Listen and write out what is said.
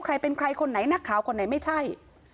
ใครเป็นใครคนไหนนักข่าวคนไหนไม่ใช่